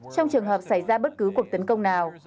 trong trường hợp xảy ra bất cứ cuộc tấn công nào